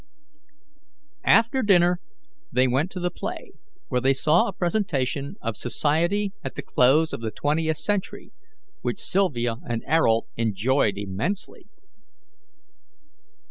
After dinner they went to the play, where they saw a presentation of Society at the Close of the Twentieth Century, which Sylvia and Ayrault enjoyed immensely.